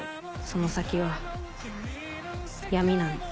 その先は闇なの。